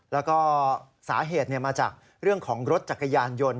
แล้วก็สาเหตุมาจากเรื่องของรถจักรยานยนต์